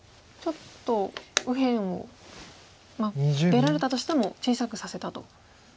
ちょっと右辺を出られたとしても小さくさせたと。